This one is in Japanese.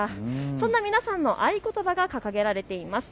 そんな皆さんの合言葉が掲げられています。